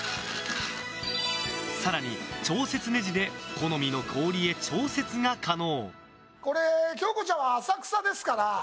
更に、調節ねじで好みの氷へ調節が可能。